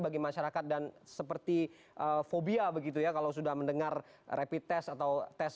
bagi masyarakat dan seperti fobia begitu ya kalau sudah mendengar rapid test atau tes